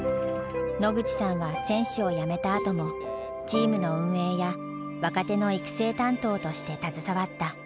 野口さんは選手をやめたあともチームの運営や若手の育成担当として携わった。